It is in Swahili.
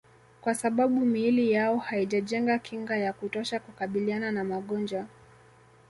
Kwa sababu miili yao haijajenga kinga ya kutosha kukabiliana na magonjwa